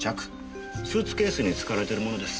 スーツケースに使われてるものです。